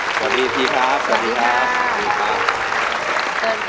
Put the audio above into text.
สวัสดีพี่ครับสวัสดีครับ